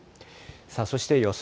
そして予想